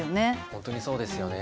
本当にそうですよね。